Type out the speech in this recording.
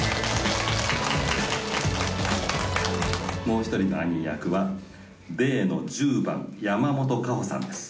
もう１人のアニー役はＤの１０番山本花帆さんです。